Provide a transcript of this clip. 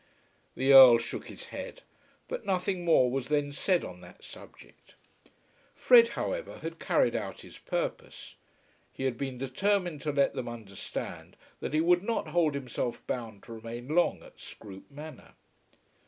The Earl shook his head, but nothing more was then said on that subject. Fred, however, had carried out his purpose. He had been determined to let them understand that he would not hold himself bound to remain long at Scroope Manor.